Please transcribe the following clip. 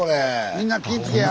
みんな気いつけや！